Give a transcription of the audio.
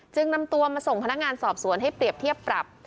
นำตัวมาส่งพนักงานสอบสวนให้เปรียบเทียบปรับ